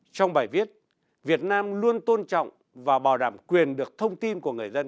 trong bài viết việt nam luôn tôn trọng và bảo đảm quyền tiếp cận thông tin của người dân